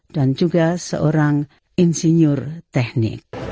dan juga seorang insinyur teknik